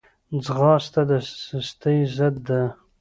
ځغاسته د سستۍ ضد ده